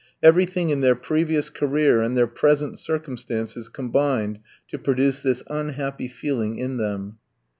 Everything in their previous career and their present circumstances combined to produce this unhappy feeling in them.